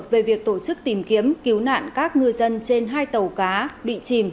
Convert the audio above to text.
về việc tổ chức tìm kiếm cứu nạn các ngư dân trên hai tàu cá bị chìm